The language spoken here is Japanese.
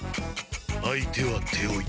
相手は手負い。